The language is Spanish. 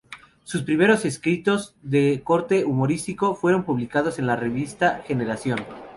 Sus primeros escritos, de corte humorístico, fueron publicados en la revista "Generación".